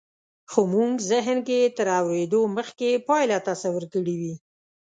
خو مونږ زهن کې تر اورېدو مخکې پایله تصور کړې وي